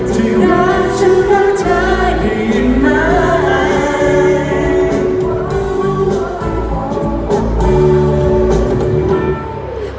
ที่รักฉันรักเธอให้ยังไหน